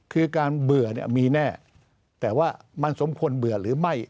คือการเบื่อมีแน่แต่ว่ามันสมควรเบื่อหรือไม่